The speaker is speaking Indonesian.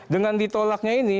dengan ditolaknya ini